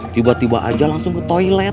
tiba tiba aja langsung ke toilet